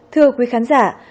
thưa quý khán giả